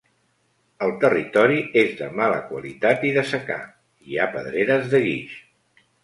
El territori és de mala qualitat i de secà; hi ha pedreres de guix.